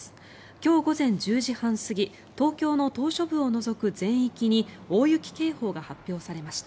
今日午前１０時半過ぎ東京の島しょ部を除く全域に大雪警報が発表されました。